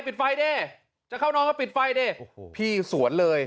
ปิดไฟดิจะเข้านอนก็ปิดไฟดิโอ้โหพี่สวนเลย